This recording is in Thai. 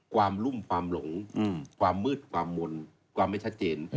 ความรุ่มความหลงความมืดความมนต์ความไม่ชัดเจน